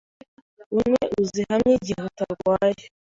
unywe uzihamye igihe utarwaye